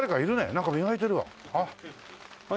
なんか磨いてるわ。